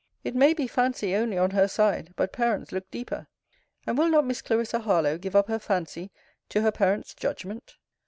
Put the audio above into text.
It may be fancy only on her side; but parents look deeper: And will not Miss Clarissa Harlowe give up her fancy to her parents' judgment?